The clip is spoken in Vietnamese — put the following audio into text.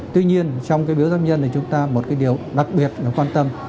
tuy nhiên trong cái biếu giáp nhân này chúng ta một cái điều đặc biệt là quan tâm